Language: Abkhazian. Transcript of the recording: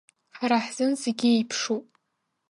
Ҳара ҳзын зегьы еиԥшуп.